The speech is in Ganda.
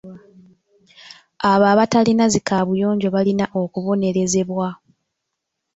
Abo abatalina zi kaabuyonjo balina okubonerezebwa.